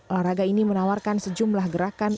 olahraga ini menawarkan sejumlah gerakan